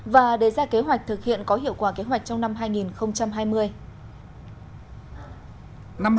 và đề ra kế hoạch thực hiện có hiệu quả kế hoạch trong năm hai nghìn hai mươi